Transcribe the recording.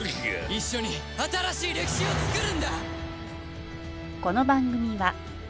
一緒に新しい歴史をつくるんだ！